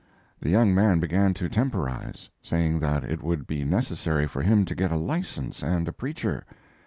The young man began to temporize, saying that it would be necessary for him to get a license and a preacher.